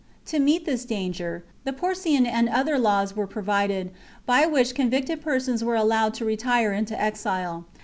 To meet this danger, the Porcian and other laws were provided, by which convicted persons were allowed to retire into exile.